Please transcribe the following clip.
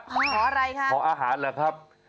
ขออะไรคะขออาหารเหรอครับ